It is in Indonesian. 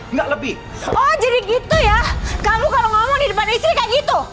nggak lebih oh jadi gitu ya kamu kalau ngomong di depan istri kayak gitu